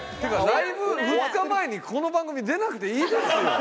ライブ２日前にこの番組出なくていいですよ。